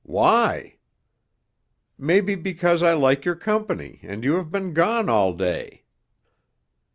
"Why?" "Maybe because I like your company and you have been gone all day."